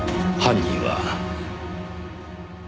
犯人は。